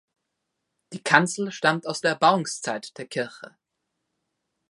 Die Kanzel stammt aus der Erbauungszeit der Kirche.